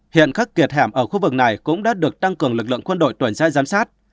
hiện các kiệt hẻm ở khu vực này cũng đã được tăng cường lực lượng quân đội tuần trai giám sát